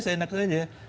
saya enak saja